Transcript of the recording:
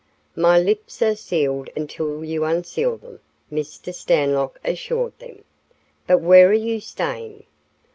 "My lips are sealed until you unseal them," Mr. Stanlock assured them. "But where are you staying?"